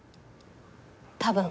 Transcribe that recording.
多分。